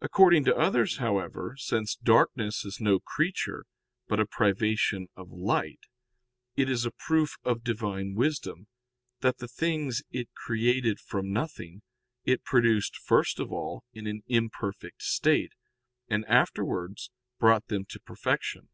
According to others, however, since darkness is no creature, but a privation of light, it is a proof of Divine wisdom, that the things it created from nothing it produced first of all in an imperfect state, and afterwards brought them to perfection.